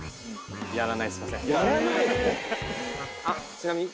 ちなみに。